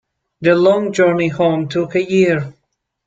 The long journey home took a year.